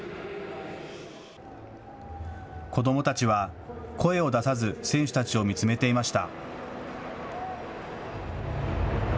子どもたちは声を出さず、選手たちを見つめていました。